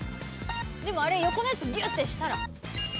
でもあれ横のやつギューッてしたら？